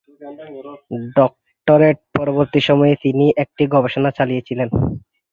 Doctorate পরবর্তী সময়ে তিনি একটি গবেষণা চালিয়েছিলেন।